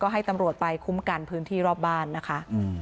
ให้ตำรวจไปคุ้มกันพื้นที่รอบบ้านนะคะ